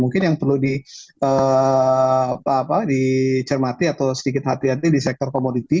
mungkin yang perlu dicermati atau sedikit hati hati di sektor komoditi